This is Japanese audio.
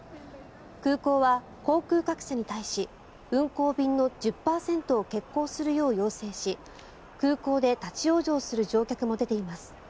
空港は航空各社に対し運航便の１０％を欠航するよう要請し空港で立ち往生する乗客も出ています。